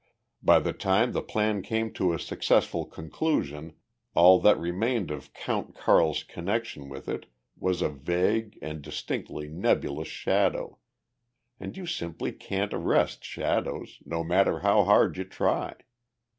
By the time the plan came to a successful conclusion all that remained of "Count Carl's" connection with it was a vague and distinctly nebulous shadow and you simply can't arrest shadows, no matter how hard you try.